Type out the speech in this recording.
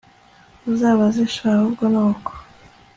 uzabaze sha ahubwo nuko